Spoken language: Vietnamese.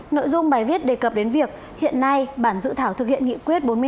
nội dung bài viết đề cập đến việc hiện nay bản dự thảo thực hiện nghị quyết bốn mươi tám